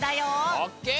オッケー！